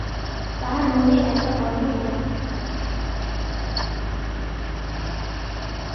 তাঁহার মনে একটা অন্ধ ভয় উপস্থিত হইয়াছে।